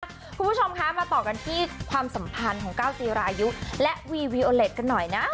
คุณผู้ชมคะมาต่อกันที่ความสัมพันธ์ของก้าวจีรายุและวีวีโอเล็ตกันหน่อยนะ